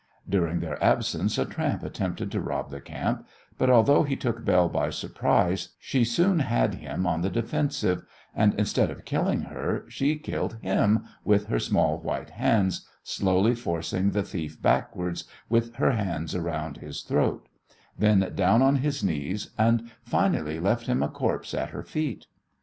During their absence a tramp attempted to rob the camp, but although he took Belle by surprise she soon had him on the defensive, and instead of killing her she killed him with her small white hands, slowly forcing the thief backwards with her hands around his throat; then down on his knees, and, finally, left him a corpse at her feet.